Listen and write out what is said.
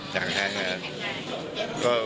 จากนั้นนะครับ